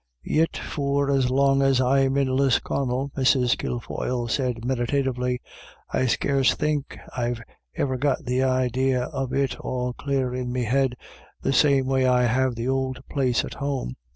" Yit for as long as I'm in Lisconnel," Mrs. Kil foyle said meditatively, " I scarce think I've iver got the idee of it all clare in me head the same way I have the ould place at home.